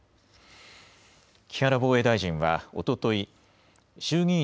木原防衛大臣はおととい衆議院